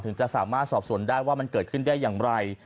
จะสามารถสอบสวนได้ว่ามันเกิดขึ้นได้อย่างไร